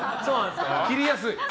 切りやすい。